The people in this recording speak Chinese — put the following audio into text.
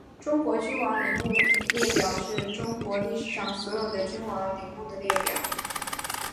中国君主陵墓列表是中国历史上所有的君主陵墓的列表。